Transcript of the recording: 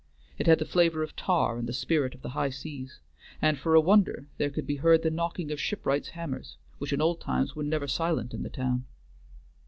It had the flavor of tar and the spirit of the high seas, and for a wonder there could be heard the knocking of shipwrights' hammers, which in old times were never silent in the town.